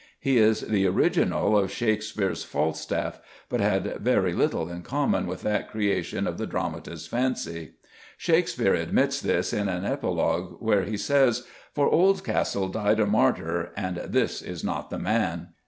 He is the original of Shakespeare's Falstaff, but had very little in common with that creation of the dramatist's fancy. Shakespeare admits this in an epilogue where he says, "For Oldcastle died a martyr and this is not the man."